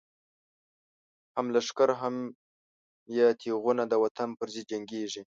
هم لښکر هم یی تیغونه، دوطن پر ضد جنګیږی